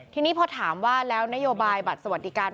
ทีนี้พอถามว่าแล้วนโยบายบัตรสวัสดิการ